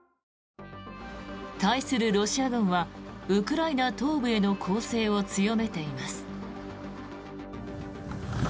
対するロシア軍はウクライナ東部への攻勢を強めています。